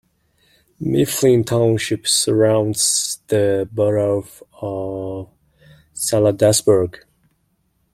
Mifflin Township surrounds the borough of Salladasburg.